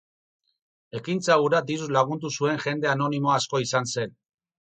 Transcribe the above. Ekintza hura diruz lagundu zuen jende anonimo asko izan zen.